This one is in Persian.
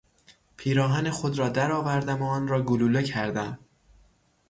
پیراهن خود را در آوردم و آن را گلوله کردم.